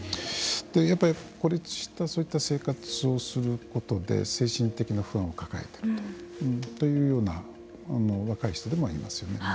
やっぱり孤立した生活をすることで精神的な不安を抱えているというような若い人でもありますよね。